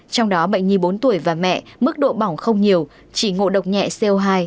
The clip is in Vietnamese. trong đó bệnh nhi bốn tuổi và mẹ mức độ bỏng không nhiều chỉ ngộ độc nhẹ co hai